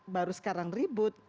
baru sekarang ribut